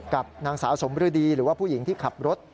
กับนางสาวสมฤดีหรือว่าผู้หญิงที่ขับรถ